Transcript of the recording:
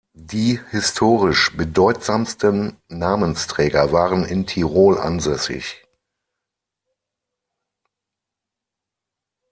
Die historisch bedeutsamsten Namensträger waren in Tirol ansässig.